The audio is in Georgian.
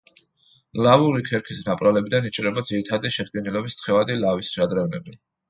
ლავური ქერქის ნაპრალებიდან იჭრება ძირითადი შედგენილობის თხევადი ლავის შადრევნები.